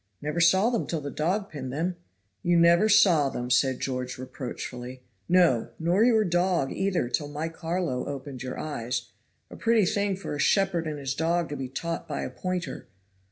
"Never saw them till the dog pinned them." "You never saw them," said George reproachfully. "No, nor your dog either till my Carlo opened your eyes. A pretty thing for a shepherd and his dog to be taught by a pointer.